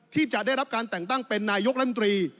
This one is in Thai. ที่จะได้รับการแต่งตั้งเป็นนายกรัฐมนตรี